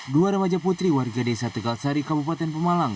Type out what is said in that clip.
dua remaja putri warga desa tegal sari kabupaten pemalang